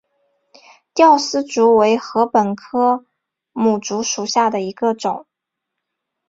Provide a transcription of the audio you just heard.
吊丝竹为禾本科牡竹属下的一个种。